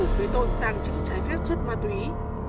với tội tàng trực trái phép chất ma túy